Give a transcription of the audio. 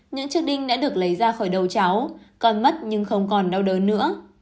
những chiếc đinh đã được lấy ra khỏi đầu cháu còn mất nhưng không còn đau đớn nữa